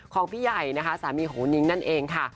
ของพี่ใหญ่สามีของคุณนิ้งนั่นเองค่ะ